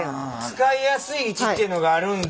使いやすい位置っていうのがあるんだ。